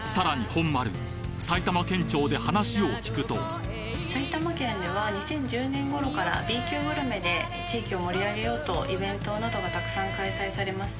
本丸埼玉県庁で話を聞くと埼玉県では２０１０年頃からＢ級グルメで地域を盛り上げようとイベントなどがたくさん開催されました。